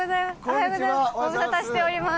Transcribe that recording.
ご無沙汰しております。